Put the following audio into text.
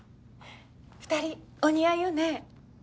２人お似合いよね？